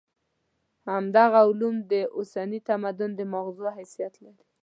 همدغه علوم د اوسني تمدن د ماغزو حیثیت لري.